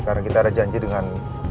karena kita ada janji dengan